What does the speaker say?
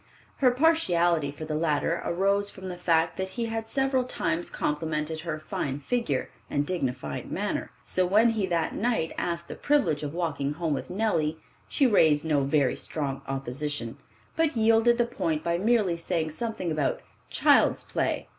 Her partiality for the latter arose from the fact that he had several times complimented her fine figure and dignified manners; so when he that night asked the privilege of walking home with Nellie, she raised no very strong opposition, but yielded the point by merely saying something about "child's play."